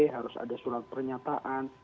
harus ada surat pernyataan